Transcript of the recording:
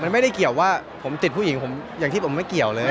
มันไม่ได้เกี่ยวว่าผมติดผู้หญิงผมอย่างที่ผมไม่เกี่ยวเลย